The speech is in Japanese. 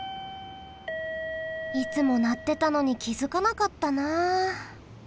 いつもなってたのにきづかなかったなあ。